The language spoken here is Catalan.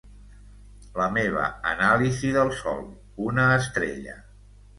La meva anàlisi del sol: una estrella.